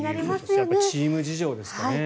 チーム事情ですからね。